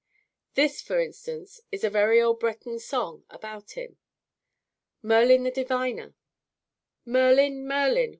This, for instance, is a very old Breton song about him: MERLIN THE DIVINER Merlin! Merlin!